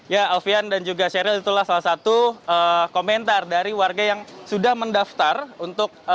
ya alfian dan juga sheryl itulah salah satu komentar dari warga yang sudah mendaftar untuk